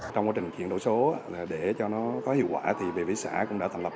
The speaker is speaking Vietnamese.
trong quá trình chuyển đổi số để cho nó có hiệu quả thì bvx cũng đã thành lập